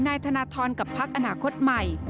นายธนทรอนกับภักดิ์อนาคตใหม่